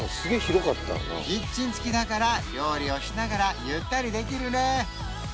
キッチン付きだから料理をしながらゆったりできるね